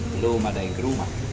belum ada yang ke rumah